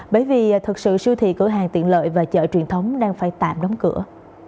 bởi vì thực sự siêu thị cửa hàng tiện lợi và chợ truyền thống đang phải tạm đóng cửa